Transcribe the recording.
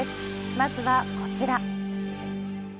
まずはこちら。